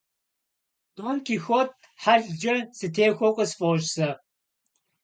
Дон Кихот хьэлкӀэ сытехуэу къысфӀощӀ сэ.